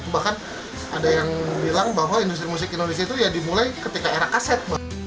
bahkan ada yang bilang bahwa industri musik indonesia itu ya dimulai ketika era kaset